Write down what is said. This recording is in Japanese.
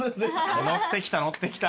のってきたのってきた。